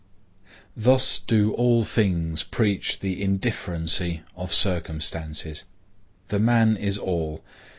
Thus do all things preach the indifferency of circumstances. The man is all.